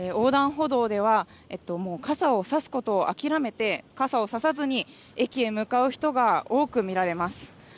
横断歩道では傘をさすことを諦めて傘をささずに駅へ向かう人が多く見られます。